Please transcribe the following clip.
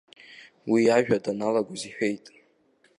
Уи иажәа даналгоз иҳәеит.